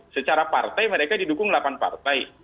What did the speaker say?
secara partai mereka didukung delapan partai